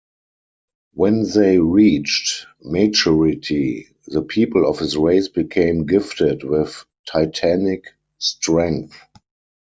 When they reached maturity, "the people of his race became gifted with titanic strength".